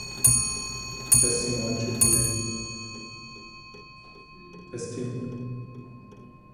Paul Verhoeven was assigned to make the movie.